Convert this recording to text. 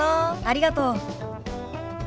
ありがとう。